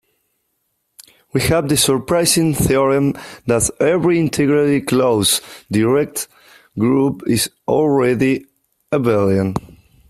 We have the surprising theorem that every integrally closed directed group is already abelian.